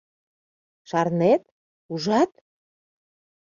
Шарнет, ужат?